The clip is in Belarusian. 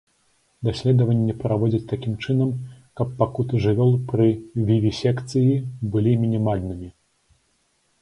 Даследванні праводзяць такім чынам, каб пакуты жывёл пры вівісекцыі былі мінімальнымі.